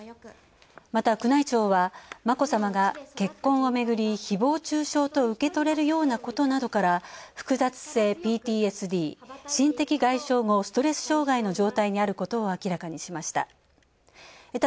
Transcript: また、宮内庁は、眞子さまが結婚をめぐり誹謗・中傷と受け取れるようなことなどから複雑性ＰＴＳＤ＝心的外傷後ストレス障害の状態にあることを明らかにしました。